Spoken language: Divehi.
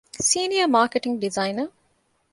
ސީނިއަރ މާކެޓިންގ ޑިޒައިނަރ